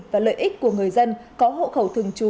và lợi ích của người dân có hộ khẩu thường trú